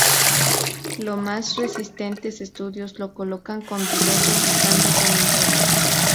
Los más recientes estudios lo colocan como dudoso evitando comentarios.